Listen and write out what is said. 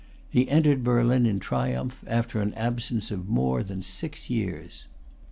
He entered Berlin in triumph, after an absence of more than six[Pg 329] years.